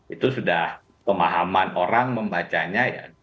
itu sudah pemahaman orang membacanya ya